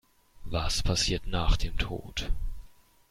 Was passiert nach dem Tod?